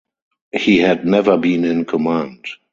He had never been in command.